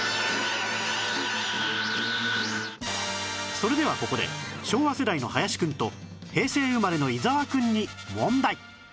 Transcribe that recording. それではここで昭和世代の林くんと平成生まれの伊沢くんに問題